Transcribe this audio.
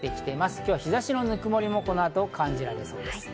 今日は日差しのぬくもりもこの後、感じられそうです。